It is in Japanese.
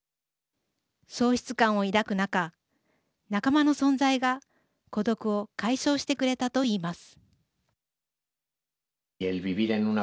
喪失感を抱く中仲間の存在が孤独を解消してくれたといいます。